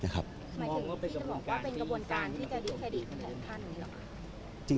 หมายความว่าพี่จะบอกว่าเป็นกระบวนการที่จะดีค่ะดีขนาดภาษณ์อยู่ในหลัก